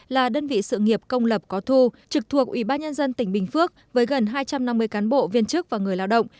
là đơn vị sự nghiệp công lập có thu trực thuộc ủy ban nhân dân tỉnh bình phước với gần hai trăm năm mươi cán bộ viên chức và người lao động